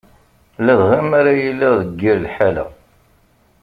Ladɣa mi ara yiliɣ deg yir lḥala.